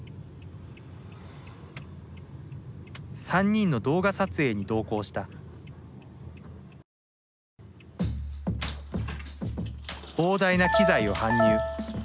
３人の動画撮影に同行した膨大な機材を搬入。